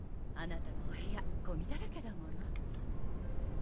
あなたのお部屋ゴミだらけだもの。